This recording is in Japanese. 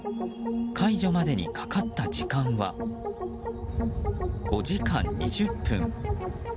解除までにかかった時間は５時間２０分。